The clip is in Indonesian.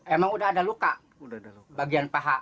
emang udah ada luka bagian paha